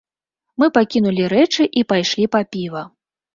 Мы пакінулі рэчы і пайшлі па піва.